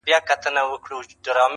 • په لوګیو، سرو لمبو دوړو کي ورک دی -